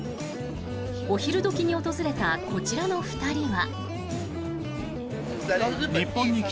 お昼時に訪れたこちらの２人は。